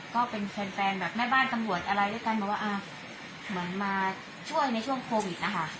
ก็เป็นแฟนแบบแม่บ้านตำรวจอะไรด้วยกันบอกว่าเหมือนมาช่วยในช่วงโควิดนะคะ